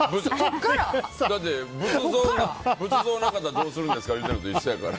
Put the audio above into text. だって、仏像なかったらどうするんですかって言ってるのと一緒やから。